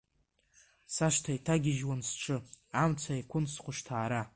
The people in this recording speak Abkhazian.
Сашҭа иҭагьежьуан сҽы, амца еиқәын схәышҭаара…